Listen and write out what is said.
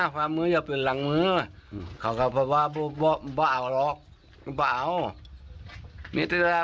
ครั้งสุดท้ายนี่แหละค่ะเป็นสภาพที่เห็นนี่แหละ